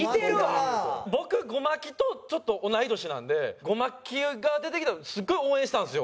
僕ゴマキと同い年なんでゴマキが出てきた時すごい応援してたんですよ